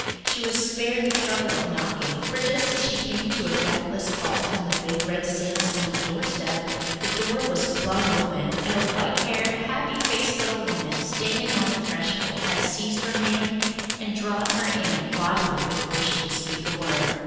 She was spared the trouble of knocking, for as she came to a breathless halt on the big red sandstone doorstep, the door was flung open, and the white haired, happy faced little woman standing on the threshold had seized her hand and drawn her in bodily before she could speak a word.